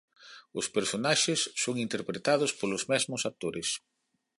Os personaxes son interpretados polos mesmos actores.